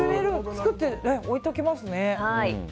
作って置いておけますね。